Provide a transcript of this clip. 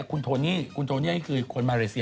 คุณโทนี่คือคนมาเลเซีย